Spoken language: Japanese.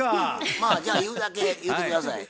まあじゃあ言うだけ言うて下さい。